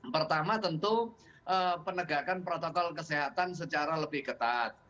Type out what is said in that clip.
pertama tentu penegakan protokol kesehatan secara lebih ketat